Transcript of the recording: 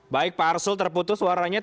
baik pak arsul terputus suaranya